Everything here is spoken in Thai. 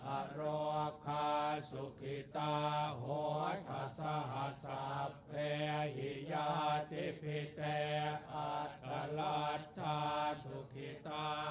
อะโรคาสุขิตาโฮทัศน์สัพเพฮิยาติพิเตะอัตตลัทธาสุขิตา